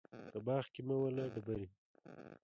په باغ کې مه وله ډبري